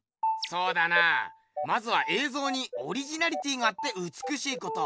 そうだなまずはえいぞうにオリジナリティーがあってうつくしいこと。